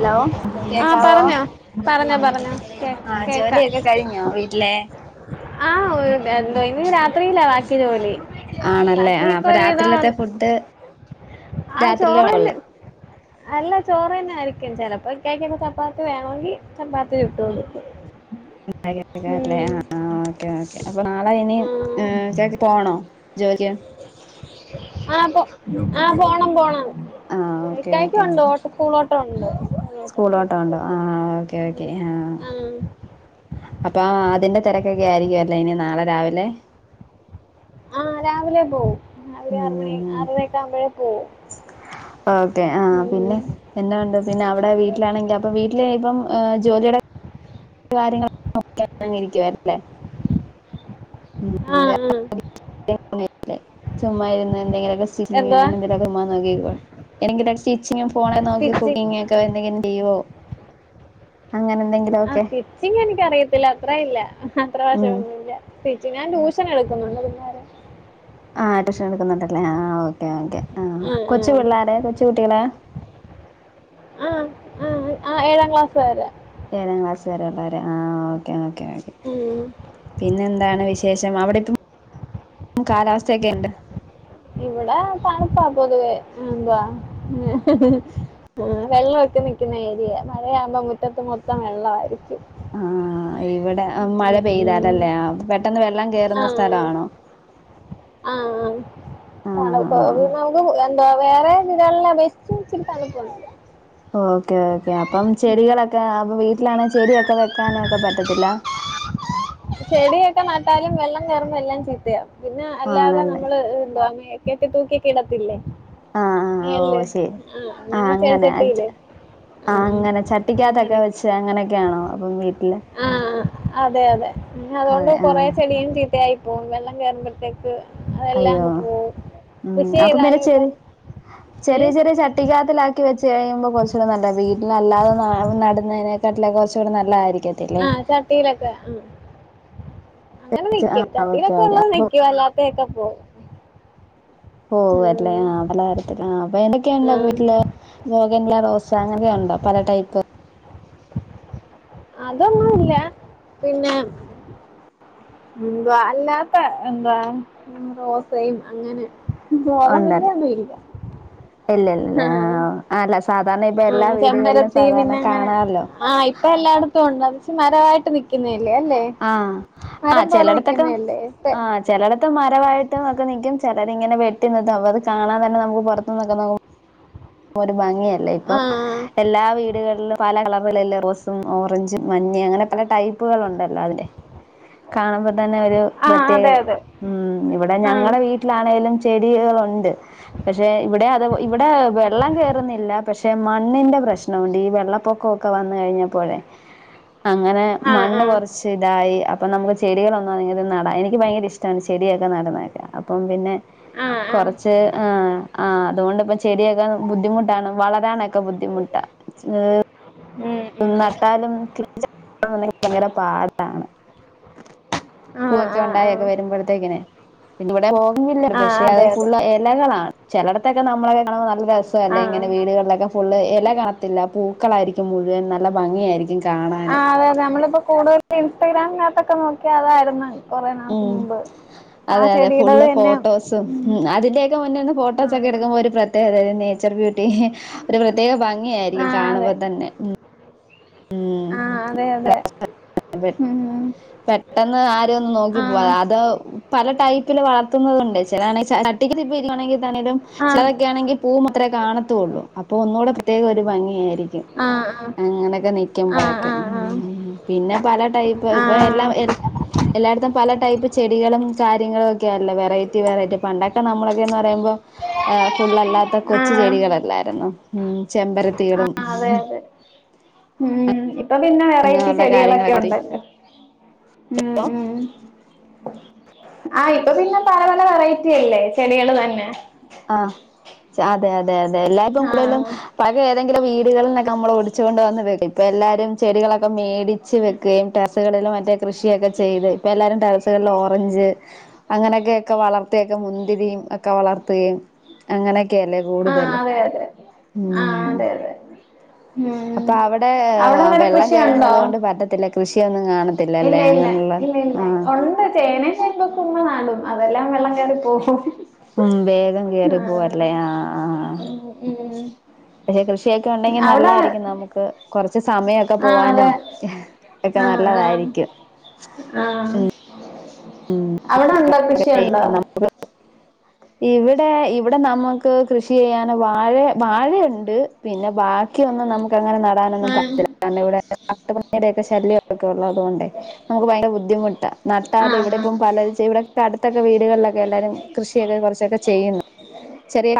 Hello ആഹ കേക്കാവോ പറഞ്ഞോ പറഞ്ഞോ ആഹ് പറഞ്ഞോ കേ ആഹ് കേക്ക ജോലിയൊക്കെ കഴിഞ്ഞോ വീട്ടിലെ ആ എന്തോ ഇനി രാത്രില്ല ബാക്കി ജോലി ആണല്ലേ ആ ബാക്കിയൊക്കെ അപ്പൊ ഒരുവിധം രാത്രിയിലത്തെ ഉണ്ട്. ഫുഡ് ആ ചോറ് രാത്രിയിലേള്ളു തന്നെ അല്ല ചോറ് തന്നെ ആയിരിക്കും ചേലപ്പാഴ്ത്തേക്കിന് ചപ്പാത്തി വേണമെങ്കിൽ ചപ്പാത്തി ചുട്ടുകൊടുക്കും [unintelligible] ആ ഓക്കേ ഓക്കെ അപ്പൊ നാളെ ഇനി ആ. ഇച്ഛയ്ക്ക് പോണോ ജോലിക്ക് ആ പോ ആഹ പോണം പോണം ആഹ് കഴക്ക ഉണ്ട [unintelligible] [inaudible] സ്കൂൾ ഓട്ടോ ഉണ്ടോ ആഹ് ഓക്കേ ഓക്കേ ആ ഉം. അപ്പൊ അതിന്റെ തിരക്കൊക്കെ ആയിരിക്കുവല്ലേ ഇനി നാളെ രാവിലെ ആഹ രാവിലെ പോവും രാവിലെ ആറ് മണി മ്മ് ആറരയൊക്കെ ആകുമ്പോഴേ പോവും ഓക്കെ ആഹ ഉം. പിന്നെ എന്നെ ഉണ്ട് പിന്നെ അവിടെ വീട്ടിലാണെങ്കിൽ അപ്പൊ വീട്ടില ഇപ്പം ജോലീടെ കാര്യങ്ങൾ [unintelligible] ആഹ ആഹ്ഹ് [unintelligible] ചുമ്മാ ഇരുന്ന് എന്തുവാ [unintelligible] [inaudible] ചേച്ചി ഫോണ് നോക്കി സ്റ്റിച്ചിങ് കുക്കിംഗ്‌ ഓ ക്കെ എന്തെങ്കിലും ചെയ്യുവോ അങ്ങനെ ആഹ എന്തെങ്കിലുമൊക്കെ സ്റ്റിച്ചിങ് എനിക്കറിയത്തില്ല അത്ര ഇല്ല അത്ര വശം ഉം ഒന്നുമില്ല ചേച്ചി ഞാൻ ട്യൂഷൻ എടുക്കുന്നുണ്ട് പിള്ളേരെ ആഹ് ട്യൂഷൻ എടുക്കുന്നുണ്ടല്ലേ ആഓ ഓ ആ കൊച്ചു പിള്ളോര കൊച്ചു കുട്ടികളെ ആ ആ ആ ഏഴാം ക്ലാസ് വരെ ഏതാം ക്ലാസ് വരെയുള്ളോരേ ആ ഓ ഓക്കേ ഉം. പിന്നെ എന്താണ് വിശേഷം അവിടെ നമ കാലാവസ്ഥയൊക്കെ ഉണ്ട് ഇവിടെ തണുപ്പാ പൊതുവേ എന്തുവാ വെള്ളമൊക്കെ നിക്കുന്ന ഏരിയെ മഴയാവുമ്പോ മുറ്റത്ത് മൊത്തം വെള്ളായിരിക്കും ഇവിടെ മഴ പെയ്താലല്ലേ പെട്ടെന്ന് വെള്ളം ആ കേയറുന്ന സ്ഥലമാണോ ആഹ് [unintelligible] എന്തോ വേറെ ജില്ലകളിലെ അപേക്ഷിച്ച് ഇച്ചിരി തണുപ്പുണ്ട് ആ ഓക്കെ ഓക്കെ അപ്പം ചെടികളൊക്കെ അപ്പൊ വീട്ടിലാണെ ചെടിയൊക്കെ വെക്കാന ഒക്കെ പറ്റത്തില്ല ട്ടാലും വെള്ളം കേറുമ്പോ എല്ലാം ചീത്തയാകും പിന്നെ അല്ലാതെ ആണല്ലേ നമ്മള് എന്തുവാ [unintelligible] കെട്ടി തൂക്കിയൊക്കെയിടത്തില്ലേ ആഹ് ആഹ് ഓ മേളില് ശരി ആ ആഹ് ഇങ്ങനെ അങ്ങനെ അച് ചെടിചട്ടിയിലെ ആ ആഹ് അങ്ങനെ ചട്ടിക്കകത്തൊക്കെ അങ്ങനെആ വെച്ച് അങ്ങനെയൊക്കെയാണോ അപ്പം വീട്ടില് അ ആ അതെ അതെ അതൊണ്ട് അതെ കൊറ ആഹ് ചെടിയും ചീ ത്തയായിപോവും വെള്ളം കേറുമ്പഴ്തെക്ക് അയ്യോ ഉ അപ്പൊ പിന്നെ ചെയ്താലും ചെ ഇപ്പം ഏ ചെറിയ ചെറിയ ചട്ടിക്കാത്തിലാക്കി വെച്ച് ചെയ്യിയുമ്പോൾ കുറച്ചുകൂടെ നല്ലയാ വീട്ടിൽ അല്ലാതെ നടുന്നതിനേക്കാട്ടിലു കുറച്ചുകൂടി നല്ലതായിരിക്കും ആ ചട്ടിയിലൊക്കെ ആ അങ്ങനെ വെച്ച് വെക്കും ആഹ് ഓക്കെ ചട്ടയിലൊക്കെ ഓക്കെ ഉള്ളത് അപ്പൊ നിൽക്കും അല്ലാത്തൊക്കെ പോവും ഓ അല്ലെ ആഹ പലതരത്തില ആ അപ്പൊ എന്തൊക്കെയൊണ്ട് ഉം വീട്ടില് [unintelligible] റോസ അങ്ങനൊക്കെയൊണ്ടോ ഉണ്ടോ പല ടൈപ്പ് അതൊന്നുമല്ല പിന്നെ എന്തുവാ അല്ലാത്ത എന്താ റോസയും അങ്ങനെ ഉണ്ടല്ല ബോഗൺവില്ലയൊന്നും ഇല്ല ഇല്ലല്ല ആ ആ [unintelligible] ആ ചെമ്പരത്തി പിന്നെ അങ്ങനെ കാണാല്ലോ ആ ഇപ്പൊ എല്ലായിടത്തും ഉണ്ടത് മരമായിട്ട് നി ക്കുന്നയല്ലേ അല്ലേ ആഹ് ആ മരം പോലെ നിക്കുന്നല്ലേ [unintelligible] രമായിട്ട് ഒക്കെനിക്കും ചിലരിങ്ങനെ വെട്ടി നിർത്തും അവ അത് കാണാൻ തന്നെ നമുക്ക് പുറത്തുന്നൊക്കെ നോക്കും ഒരു ഭംഗിയ അല്ല ഇപ്പ ആ എല്ലാ വീടുകളിലും പലകളർ അതുപോലല്ലേ റോസും ഓറഞ്ചും മഞ്ഞയും അങ്ങനെ പല ടൈപ്പുകൾ ഉണ്ടല്ലോ അതിന്റെ കാണുമ്പ തന്നെ ഒരു ആ അതെ പ്രത്യേകത അതെ ഉ ഇവിടെ ആ ഞങ്ങടെ വീട്ടിലാണെങ്കിലും ടിക ഉണ്ട് പക്ഷെ ഇവിടെ അ ഇവിടെ വെള്ളം കേറുന്നില്ല പക്ഷെ മണ്ണിന്റെ പ്രശ്നമുണ്ട് ഈ വെള്ളപ്പൊക്കമൊക്കെ വന്ന് കഴിഞ്ഞപ്പോഴെ അങ്ങനെ ആ മണ്ണ് ആ കുറച്ച് ഇതായി അപ്പ നമുക്ക് ചെടികളൊന്നും അ എനിക്ക് ഭയങ്കര ഇഷ്ടമാ ചെടിയൊക്കെ നടന്നക്ക അപ്പ പിന്നെ ആ ആ കുറച്ച് ആ അതൊണ്ട് പ്പ ചേടിയക്കാ ബുദ്ധിമുട്ടാണ് വളരാനൊക്കെ ബുദ്ധിമുട്ടാ ഏ ഉം ഉം നട്ടാലും കണ്ടെങ്ക ഭയങ്കര പാടാണ് ആ പൂവൊക്കെ ആ ആ ഉണ്ടായൊക്കെ വരുമ്പോഴത്തേക്കിനെ പിന്ന ഇവിടെ പോകില്ലോ ആ പക്ഷെ അത് അതെ അതെ ഫുള്ള് ഇലകളാണ് ചിലടത്തൊക്കെ നമ്മളെ കണാ രസം അല്ലേ ഇങ്ങനെ ആ വീടുകളിലൊക്കെ ഫുള് ഇല കാണത്തില്ല പൂ പുക്കളായിരിക്കും മുഴുവൻ നല്ല ഭംഗിയായിരിക്കും ആ കാണാന് അതെ അതെ നമ്മളിപ്പോ കൂടുതൽ ഇൻസ്റ്റഗ്രാമിനത്തൊക്കെ നോക്കിയ അതായിരുന്ന് ഉം അതെ അതെ ചെടിയുടേത് ഫുള് തന്നെ ഫോട്ടോസും ഉം അതിന്റെയൊക്കെ മുന്നേന്ന് ഫോട്ടോസ ഒക്കെ എടുക്കുമ്പോ ഒരു പ്രത്യേകതായിരുന്നു നേച്ചർ ബ്യൂ ട്ടീ ഒരു പ്രത്യേക ആ ഭംഗിയായിരിക്കും കാണുമ്പോ തന്നെ ഉം ആഹ് അതെ അതെ പെ ഉം പെട്ടെന്ന് ആരെയും ഒന്നും നോക്കി ആ പോവു അത് പല ടൈപ്പിൽ വളർത്തുന്നതുണ്ട് [unintelligible] ട്ടിക്ക്വാണെങ്കിൽ ലും ആ ചിലതൊക്കെ ആണെങ്കിൽ പൂ മാത്രമേ കാണത്തുള്ളൂ അപ്പൊ ഒന്നുകൂടെ പ്രത്യേക ഒരു ഭംഗിയായിരിക്കും ആ ആ അങ്ങനൊക്കെ ആ നിക്കുമ്പോഴൊക്കെ ആ ആ പിന്നെ ആ [unintelligible] എല്ല എല്ലായിടും പല ടൈപ്പ് ചെടികളും കാര്യങ്ങളൊക്കെയാല്ലേ വെറൈറ്റി വെറൈറ്റി പണ്ടൊക്കെ നമ്മളൊക്കെന്ന് പറയുമ്പോൾ ഫുള്ളല്ലാത്ത ആ കൊച്ചു ചെടികളല്ലായിരുന്നു ഉം ചെമ്പരത്തികളും അതതെ ഉം ഇപ്പം പിന്നെ വെറൈറ്റി അങ്ങനെയുള്ള ചെടികളൊക്കെ കാര്യങ്ങളൊക്കെ ഉണ്ടല്ലോ ഉം ഹലോ ഉം ആഹ് ഇപ്പൊ പിന്നെ പല പല വെറൈറ്റി അല്ലേ ചെടികൾ തന്നെ ആഹ് അതെ അതെ അതെ അതെ [unintelligible] ആ പഴയ ഏതെങ്കിലും വീട്ടി ചെടികളൊക്കെമ്മളൊടിച്ച് കൊണ്ട് വന്ന് വക്കും ഇപ്പൊ എല്ലാരും ചെടികളൊക്കെ മേടി ടിച്ച് വെക്കുകയും ചെടികളിലും മറ്റെ കൃഷിയൊക്കെ ചെയ്ത് ഇപ്പ എല്ലാരും ട്ടറസി ഓറഞ്ച് അങ്ങനെയൊക്കെൊക്കെ വളർത്തിയൊക്കെ മുന്തിരിയും ഒക്കെ വളർ അങ്ങനെ ഒക്കല്ലേ ആഹ് കൂടുതൽ അതെ അതെ ആഹ് ഉം അതെ അതെ ഉം അപ്പൊ അവിടെ അവിടെ അങ്ങനെ വെള്ളം കൃഷിയുണ്ടോ കേയറുന്നത് കൊണ്ട് പറ്റത്തില്ല കൃഷിയൊന്നും ഇല്ല കാണത്തില്ലല്ലേ ഇല്ല അങ്ങനുള്ള ഇല്ല ആഹ ണും അതെല്ലാം വെള്ളം കെറി പോവും ഉം വേഗം കേയറി പോവല്ലേ ആ ആഹ ഉം ഉം പക്ഷെ കൃഷിയൊക്കെ ഉണ്ടെങ്കിൽ അവിടെ നല്ലായിരിക്കും നമുക്ക് കുറച്ച് സമയമൊക്കെ ആഹ് അതെ പോവാനും ഒക്കെ ആഹ് ആഹ് നല്ലതായിരിക്കും ആഹ് ഉം അവിടെ ഉണ്ടോ കൃഷിയുണ്ടോ ഇവിടെ ഇവിടെ നമുക്ക് കൃഷി ചെയ്യൻ വാഴ വാഴയുണ്ട് പിന്നെ ബാ ക്കി ഒന്നും നമുക്ക് അങ്ങനെ നടാാനൊന്നും ആഹ് [inaudible] ശല്യം ക്ക ഉള്ളത കൊണ്ട് നമുക്ക് ഭയങ്കര ബുദ്ധിമുട്ട് നട്ടാാലും ഇവിടെ ആഹ് ഇപ്പ പല ഇവിട അടുത്തൊക്കെ വീടുകളിലൊക്കെ എല്ലാരും കൃഷിയൊക്കെ കുറച്ചൊക്കെ ചെയ്യുന്നു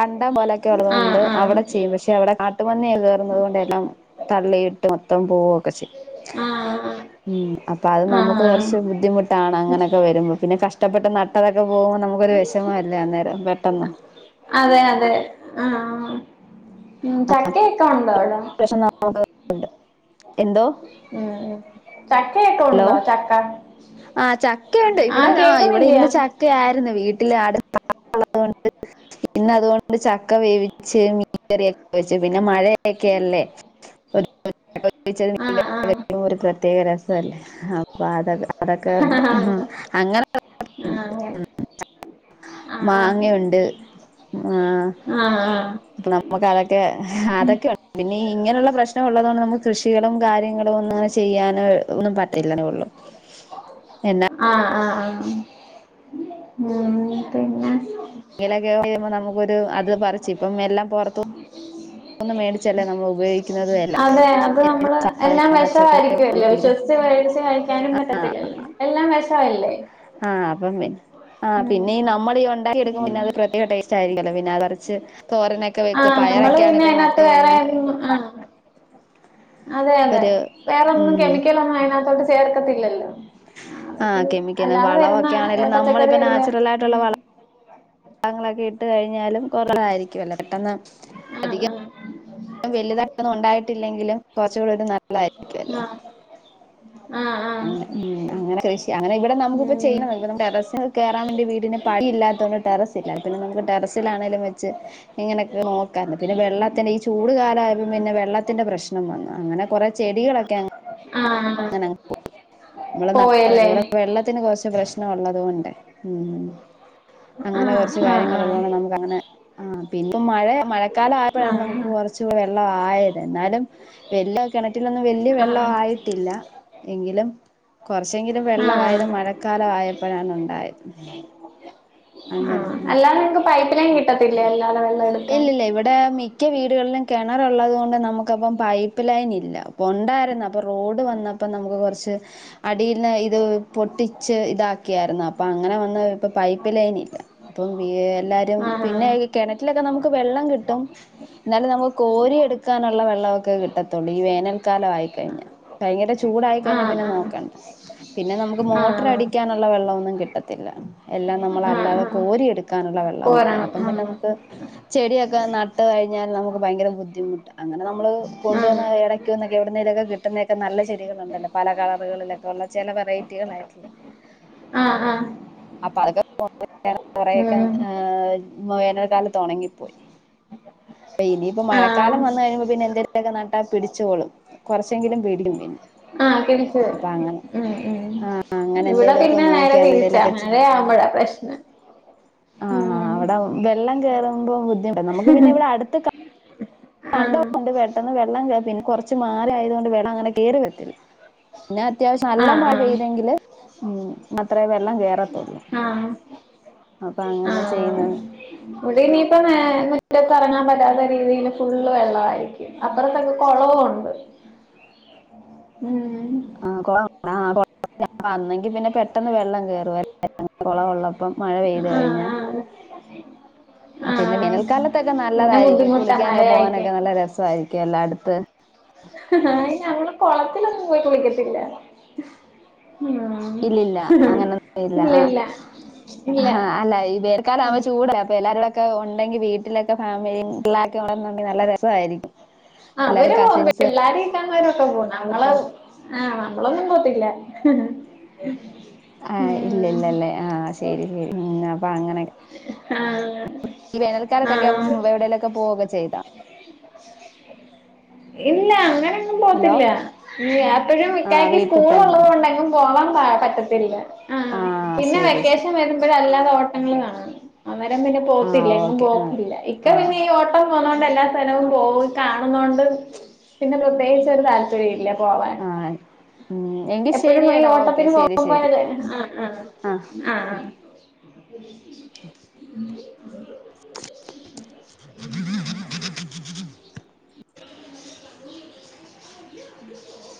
ണ്ട പോലെ ഉള്ളത ആഹ് കൊണ്ട് ആഹ് അവിടെ ചെയ്യും പക്ഷെവിടെ ട്ടുമി കയറുന്നത് കൊണ്ട് എല്ലാം തള്ളിയിട്ട് മൊത്തം പോവൊക്കെ ചെയ്യ ആഹ് ആഹ് ഉം അപ്പൊ അത് നമുക്ക് ആഹ് കുറച്ച് ബുദ്ധിമുട്ടാണ് അങ്ങനൊക്കെ വരുമ്പോ പിന്നെ കഷ ഷ്ടപ്പെട്ട നടത്തോ ക്കെ പോകുമ്പോൾ നമുക്കൊരു വിഷമ അല്ല അന്നേരം പെട്ടെന്ന് ആഹ ഉം ചക്കയക്കെ ഉണ്ടോ അവിട എന്തോ ഉം ഉം ചക്കയൊക്കെ ഹലോ ഉണ്ടോ ചക്ക ആഹ ചക്ക ഉണ്ട് ഇവിടെ ആഹ് ആ ഇവിടെ കേക്കുന്നില്ല്യ ഇന്ന് ചക്ക ആയിരുന്നു വീട്ട ട്ട [inaudible] അളതൊണ്ട് പിന്ന അതുകൊണ്ട് ച ക്കെ വേവിച്ച് മീറിയൊക്കെ പി പിന്നെ മഴയൊക്കെയല്ലേ ആഹ് ആഹ് ഒ [inaudible] [inaudible] ഒരു പ്രത്യേക രസല്ലേ അപ്പൊ അതൊ അതൊക്കെ ഉണ്ട് ആഹ് അങ്ങനെ അങ്ങനെ ആഹ് ആഹ് മാങ്ങയുണ്ട് ആ ആഹ് ആഹ് അപ്പൊ നമുക്ക് അതൊക്കെ അതൊക്കെ പിന്നെ ഇങ്ങനെയുള്ള പ്രശ്നമ ഉള്ളതുകൊണ്ട് നമു കൃഷികളും കാര്യങ്ങളും ഒന്നും ചെയ്യൻ ഒന്നും പറ്റല്ലെ ഉള്ളൂ എന്നാ ആ പിന്നെ [unintelligible] അത് പറിച്ച് ഇപ്പം എല്ലാം പുറത്തൂ ഒന്നും മേടിച്ചല്ലേ നമ്മൾ ഉപയോഗി അതെ അത് നമ്മള് എല്ലാം പച്ചക്കറി വിഷമായിരിക്കുവല്ലോ ആണെങ്കിലും വിശ്വസിച്ച് മേടിച്ച് കഴിക്കാനും പറ്റത്തില്ലല്ലോ എല്ലാം വിഷമല്ലേ ആ് പിന്നെഈ നമ്മളീ ഉണ്ടാക്കിയെടുക്കുമ്പോ പിന്നെ അത് ഒരു പ്രത്യേക ടേസ്റ്റ് ആയിരിക്കല്ലോ പിന്നെ അതരച്ച് തോരനൊക്കെ വെക്കും ആഹ് നമ്മള് പയറൊക്കെ പിന്നെ ആണെലും നട്ട് അതിനകത്ത് വേറെ കഴിഞ്ഞ് ആ അതെ അതെ ഒരു വേറൊന്നും കെമിക്കലൊന്നും അതിനകത്തോട്ട് ചേർക്കത്തില്ലല്ലോ ആ ആഹ ഇത് കെമിക്കൽ അല്ലാതെ വരുന്ന വളമൊക്കെ ഏ, ആണെലും നമ്മളിപ്പ പച്ചക്കറിയെല്ലാം നാച്ചുറൽ ആയിട്ടുള്ള ഉം. വള ങ്ങളൊക്കെ ഇട്ട് കഴിഞ്ഞാലും കൊറവായിരിക്കും അല്ലോ പെട്ടെന്ന് ആ അധികം ആ വലിയതായ്ട്ടൊന്നും ഉണ്ടായിട്ടില്ലെങ്കിലും കൊറച്ചൂടൊരു നല്ല ല്ലായിരിക്കുവല്ലോ ആ ആ അങ്ങ ആ മ് അങ്ങനെ കൃഷി അങ്ങനെ ഇവിടെ ഉം. നമുക്കിപ്പോചെയ്യണം ന്നാലും ടെറസിൽ കേറാൻ വേണ്ടി വീട്ട പിന്നെ പടി ഇല്ലാത്തൊണ്ട് ടെറസ് ഇല്ല പിന്നെ നമുക്ക് ടെറസിലാണേലും വെച്ച് ഇങ്ങനെയൊക്കെ നോക്കാന്നു പിന്നെ വെള്ളത്തിന്റെ ഈ ചൂട് കാലമായപ്പോ പിന്നെ വെള്ളത്തിന്റെ പ്രശ്നവും വന്നു അങ്ങനെ കുറേ ചെടികളൊക്കെ അങ്ങ് ആ നമ്മള നാട്ട് പോയല്ലേ ഇവിടെ വെള്ളത്തിന് കുറച്ച് പ്രശ്നം നം ഉള്ളത് കൊണ്ടേ മ്ഹ് ആ അങ്ങനെ കുറച്ച് ആ ആ കാര്യങ്ങൾ ആ ഉള്ളതോണ്ട് നമുക്ക് അങ്ങനെ ആ പിന്നെ മഴ മഴക്കാല ആ ആയപ്പോഴാണ് നമുക്ക് കുറച്ചു വെള്ളം ആയത് എന്നാലും വലിയ കിണറ്റിലൊന്നും വലിയ ആ വെള്ളം ആയിട്ടില്ല [unintelligible] കുറച്ചെങ്കിലും ആ ആ വെള്ളമായത് മഴക്കാല ആയപ്പോഴാണ് ഉണ്ടായേ ആ അല്ലാ നിക്ക് പൈപ്പ് ഇത്രേം കിട്ടത്തിൽ ഇല്ല ഇല്ല ഇവിടെ മിക്ക വീട് ഇവിടെല്ലാം കിണറുള്ളതുകൊണ്ട് നമുക്ക് അപ്പം പൈപ്പ് ലൈൻ ഇല്ല ഉണ്ടാരുന്നു അപ്പം റോഡ് വന്നപ്പോ നമുക്ക് കുറച്ച് അടിന്ന് ഇത് പൊട്ടിച്ച് ഇതാക്കിയാരുന്നു അപ്പോ അങ്ങനെ വന്ന് ഇപ്പോ പൈപ്പ്ലൈൻ ഇല്ല അപ്പോ എല്ലാരും ആ പിന്നെഇ കിണിറ്റിലൊക്കെ നമക്ക് വെള്ളം കിട്ടും എന്നാലും നമുക്ക് കോരിയെടുക്കാനുള്ള വെള്ളമൊക്കെ കിട്ടത്തുള്ളൂ ഈ വേനൽക്കാല ആയിക്കഴിഞ്ഞ ഭയങ്കര ചൂടായി ആ കഴിഞ്ഞ പിന്നെ ആ നോക്കണ്ട. പിന്നെ നമുക്ക് ആ ആ മോട്ടർ അടിക്കാനുള്ള വെള്ളം ള്ളം കിട്ടത്തില്ല വെല്ലം നമ്മൾ ആ അല്ലാതെ ആ കോരിയടു ക്കാനുള്ള വെള്ളവും കോരണം അപ്പം പിന്നെ ചെടിയൊക്കെ നട്ട് കഴിഞ്ഞാൽ നമുക്ക് ഭയങ്കര ബുദ്ധിമുട്ട് അങ്ങനെ നമ്മള് ആ കൊണ്ട് വന്ന ഇടക്കൊന്നു എവിടുന്നേലൊക്കെ കിട്ടുന്നതൊക്കെ നല്ല ചെടികളുണ്ടല്ലോ പല കളറുകളിലൊക്കെ ഉള്ള ചില വെറൈറ്റികളായിട്ടുള്ള ആഹ് ആഹ് അപ്പൊ അതൊക്കെ [unintelligible] കുറെക്കെ ഉം ഹേ വേനൽ കാലത്ത് ഒണങ്ങിപ്പോയി ഇനിയിപ്പോ ആഹ് മഴക്കാലം വന്ന് കഴിയുമ്പോ പിന്നെ എന്തേലൊക്കെ നട്ടാ പിടിച്ചോളും കുറച്ചെങ്കിലും പിടിക്കും പിന്നെ ആഹ് തിരിച്ച് അപ്പൊ അങ്ങനെ ഉം ഉം അങ്ങനെ ഇവിടെ എന്തേലുമൊക്കെ പിന്നെ നേരെ നോക്കി തിരിച്ചാ അങ്ങനെന്തേലുമൊക്കെ മഴയാമ്പഴാ പ്രശ്നം ആഹ് ഉം അവിടെ വെള്ളം കേറുമ്പോ ബുദ്ധിമു നമുക്ക് പിന്നെ ഇവിടെ അടുത്ത് ആഹ് [unintelligible] പെട്ടെന്ന് വെള്ളം പിന്നെ കുറച്ച് മാലായത് കൊണ്ട് വെള്ളം അങ്ങനെ കേറി വരത്തില്ല ന്നാ അത്യാവശ്യം നല്ല മഴ ആഹ് പെയ്തെങ്കില് ഉം മാത്രേ വെള്ളം കേറത്തുള്ളൂ ആഹ് അപ്പൊ അങ്ങനെ ചെയ്യന്നു ത് ഇനിയിപ്പം മുറ്റത്ത് എറങ്ങാൻ പറ്റാത്ത രീതിൽ ഫുള്ള് വെള്ള ആയിരിക്കും അപ്പുറത്തൊക്കെ കൊളവുണ്ട് ഉം ആ കൊളം ആ [unintelligible] വന്നെങ്കി പിന്നെ പെട്ടെന്ന് വെള്ളം കേറു [unintelligible] കൊളംള്ളപ്പം. അപ്പം മഴ പെയ്തു കഴിഞ്ഞാ ആഹ് അ ആഹ് പിന്നെ ആഹ് വേനൽക്കാലത്തൊക്കെ ന പിന്നെ നല്ലതായിരിക്കും ബുദ്ധിമുട്ടാ കുളിക്കാനൊക്കെ മഴയായിക്കാൻ പോകാനൊക്കെ നല്ല രസായിരിക്കും അല്ലെ അട് ത്ത് ഹ് ഹ് അയ്ന് ഞങ്ങള് കുളത്തിലൊന്നും പോയി കുളിക്കത്തില്ല. ഉം ഇല്ലില്ല അങ്ങനൊന്നും ഇല്ല ആ ഹാ ഇല്ല അല്ല ഈ വേനൽക്കാലാവുമ്പോ ചൂടല്ലേ അപ്പൊ എല്ലാരൂടെ ഒക്കെ ഉണ്ടെങ്കി വീട്ടിലൊക്കെ ഫാമിലിം പിള്ളാരെക്കെണ്ടെങ്കിൽ നല്ല രസമായിരിക്കും. അവര് പോവും പിള്ളാരെ [unintelligible] ക്കാൻ വര പോവുന്നെ നമ്മള് ആഹ് നമ്മളൊന്നും പോവത്തില്ല ഹ് ഹ് ആഹ് ഇല്ലി ഇല്ലല്ലേ ആഹ് ശരി ശരി ഉം അപ്പൊ അങ്ങനെക്കെ ഹാ ഈ വേനൽക്കാലത്തൊക്കെ അപ്പം എവിടെേലൊക്കെ പോവൊക്കെ ചെയ്തോ ഇല്ല അങ്ങനെ ന്നും പോവത്തില്ല അപ്പഴും ആഹ് ഇക്കാക്ക് വീട്ടി സ്കൂൾ തന്നെ ഉള്ളത് കൊണ്ടെങ്ങും പോവാ പ പറ്റത്തില്ല. ആ ആഹ് പിന്നെ ശരി ശരി വെക്കേഷൻ വരുമ്പഴല്ലാതെ ഓ [unintelligible] അന്നേരം പിന്നെ പോവത്തില്ല ആഹ് എങ്ങും ഓക്കെ ആഹ് പോക്കില്ല ഇക്ക ആഹ് പിന്നെ ഈ ഓട്ടം പോവുന്നോ എല്ലാ സ്ഥലവും പോവും കാണുന്നോണ്ട് പിന്നെ പ്രത്യേകിച്ച് ഒരു താൽപര്യമില്ല പോവാൻ ആഹ് ഉം എങ്കി എപ്പഴും ഈ ശരിയെടാ ഓക്കെ ഓട്ടത്തിന് ശരി പോകുമ്പോ ശരി ആഹ് ആ ആ